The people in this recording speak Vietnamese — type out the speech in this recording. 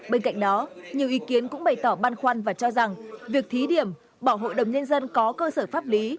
bên cạnh đó nhiều ý kiến cũng bày tỏ băn khoăn và cho rằng việc thí điểm bỏ hội đồng nhân dân có cơ sở pháp lý